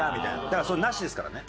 だからそれなしですからね。